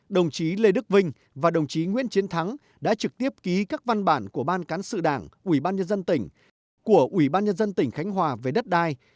đồng chí lê đức vinh và đồng chí nguyễn chiến thắng đã trực tiếp ký các văn bản của ban cán sự đảng ủy ban nhân dân tỉnh của ủy ban nhân dân tỉnh khánh hòa về đất đai